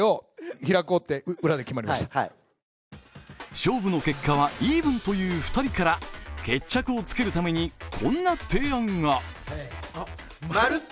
勝負の結果はイーブンという２人から決着をつけるためにこんな提案が。せーの、「まるっと！